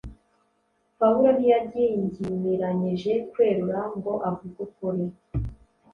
Pawulo ntiyagingimiranyije kwerura ngo avuge ukuri